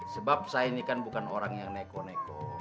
sebab saya ini kan bukan orang yang neko neko